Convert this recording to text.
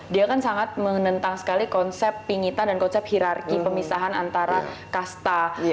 dia kan sangat menentang sekali konsep pingitan dan konsep hirarki pemisahan antara kasta